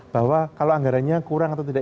bahwa kalau anggarannya kurang atau tidak